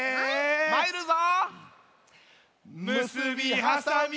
まいるぞ。